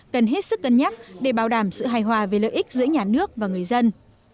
cần hết sức cân nhắc để bảo đảm sự hài hòa về lợi ích giữa nhà nước và người dân